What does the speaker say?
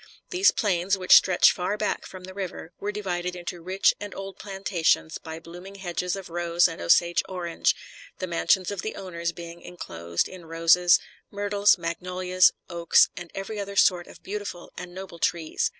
These plains, which stretch far back from the river, were divided into rich and old plantations by blooming hedges of rose and Osage orange, the mansions of the owners being inclosed in roses, myrtles, magnolias, oaks, and every other sort of beautiful and noble trees.